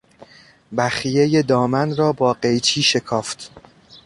بخیهی دامن را با قیچی شکافت.